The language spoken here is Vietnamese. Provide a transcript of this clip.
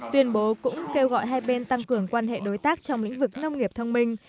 tuyên bố cũng kêu gọi hai bên tăng cường quan hệ đối tác trong lĩnh vực nông nghiệp thông minh